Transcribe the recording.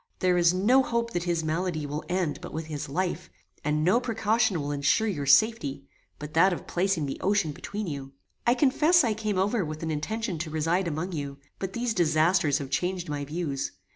There is no hope that his malady will end but with his life, and no precaution will ensure your safety, but that of placing the ocean between you. "I confess I came over with an intention to reside among you, but these disasters have changed my views.